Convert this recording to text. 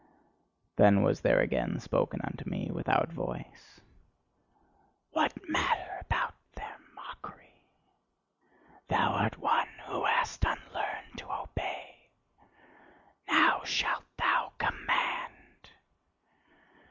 Then was there again spoken unto me without voice: "What matter about their mockery! Thou art one who hast unlearned to obey: now shalt thou command!